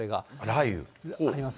雷雨。あります。